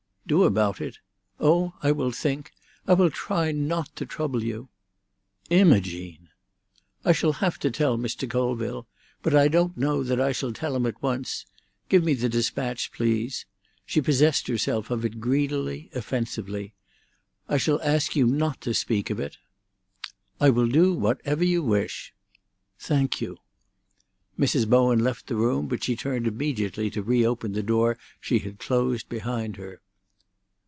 "Do about it? Oh, I will think. I will try not to trouble you." "Imogene!" "I shall have to tell Mr. Colville. But I don't know that I shall tell him at once. Give me the despatch, please." She possessed herself of it greedily, offensively. "I shall ask you not to speak of it." "I will do whatever you wish." "Thank you." Mrs. Bowen left the room, but she turned immediately to re open the door she had closed behind her.